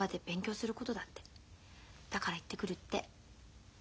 だから行ってくるって。